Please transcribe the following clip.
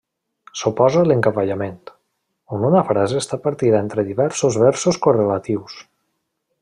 S'oposa a l'encavallament, on una frase està partida entre diversos versos correlatius.